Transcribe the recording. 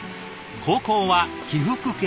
高校は被服系。